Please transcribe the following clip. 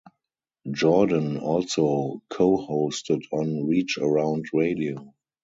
Jordan also co-hosted on "Reach Around Radio".